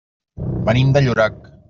Venim de Llorac.